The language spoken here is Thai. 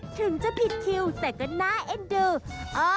ถึงจะผิดคิวแต่ก็น่าเอ็นดู